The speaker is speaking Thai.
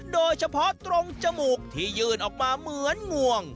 โดยเฉพาะตรงจมูกที่ยื่นออกมาเหมือนงวง